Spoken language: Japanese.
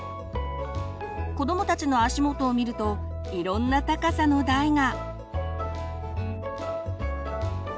子どもたちの足元を見るといろんな高さの台が。